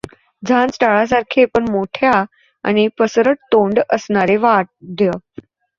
झांज टाळासारखे पण मोठ्या आणि पसरट तोंड असणारे वाद्य.